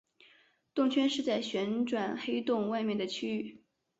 动圈是在旋转黑洞外面的区域。